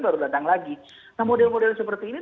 baru datang lagi nah model model seperti ini